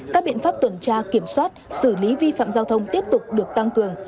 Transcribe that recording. các biện pháp tuần tra kiểm soát xử lý vi phạm giao thông tiếp tục được tăng cường